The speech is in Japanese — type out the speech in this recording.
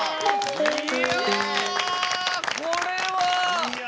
いやこれは。